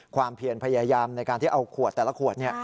เพียรพยายามในการที่เอาขวดแต่ละขวด